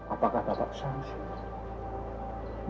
apakah bapak sangsi